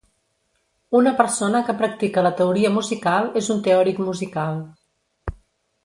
Una persona que practica la teoria musical és un teòric musical.